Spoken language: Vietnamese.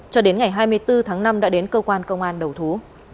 cho đến ngày hai mươi bốn tháng năm đã đến cơ quan công an đầu thú